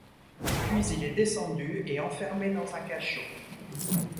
Puis il est descendu et enfermé dans un cachot.